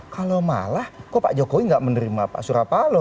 kalau malah kok pak jokowi enggak menerima pak surapalo